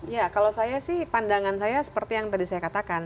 ya kalau saya sih pandangan saya seperti yang tadi saya katakan